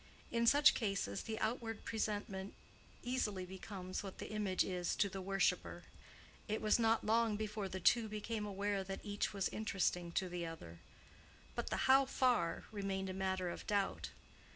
In such cases the outward presentment easily becomes what the image is to the worshipper. It was not long before the two became aware that each was interesting to the other; but the "how far" remained a matter of doubt.